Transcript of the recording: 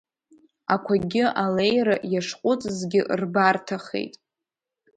Ақәагьы алеира иашҟәыҵызгьы рбарҭахеит.